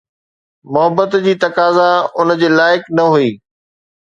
محبت جي تقاضا ان جي لائق نه هئي